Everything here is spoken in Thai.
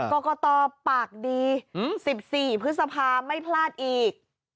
กรกตปากดี๑๔พฤษภาไม่พลาดอีก